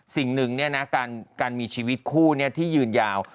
สิ่งหนึ่งเนี่ยนะการมีชีวิตคู่เนี่ยที่ยืนยาว